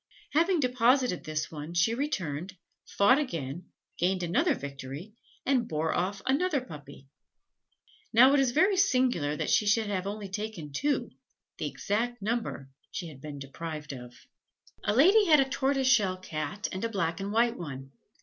Having deposited this one, she returned, fought again, gained another victory, and bore off another puppy. Now, it is very singular that she should have only taken two, the exact number she had been deprived of. A lady had a tortoiseshell Cat and a black and white one.